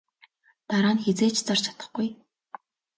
Дараа нь хэзээ ч зарж чадахгүй.